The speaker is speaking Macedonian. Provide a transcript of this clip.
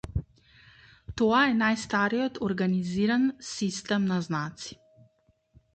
Тоа е најстариот организиран систем на знаци.